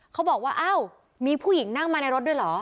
เขาบอกว่าอ้าวมีผู้หญิงนั่งมาในรถด้วยเหรอ